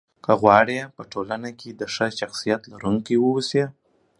که غواړئ! په ټولنه کې د ښه شخصيت لرونکي واوسی